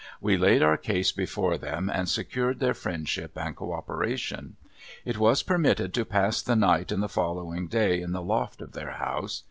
We laid our case before them and secured their friendship and co operation. I was permitted to pass the night and the following day in the loft of their house.